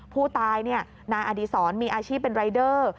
ผู้ตายนายอดีศรมีอาชีพเป็นรายเดอร์